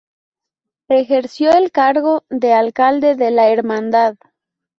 Ejerció el cargo de alcalde de la hermandad.